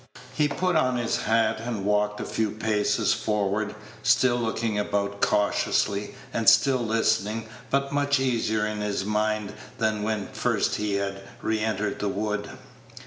He put on his hat, and walked a few paces forward, still looking about cautiously, and still listening, but much easier in his mind than when first he had re entered the wood.